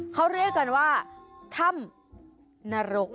เขาเรียกกันว่าถ้ำนรก